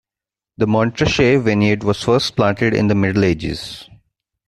The Montrachet vineyard was first planted in the Middle Ages.